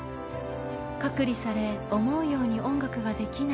隔離され思うように音楽ができない。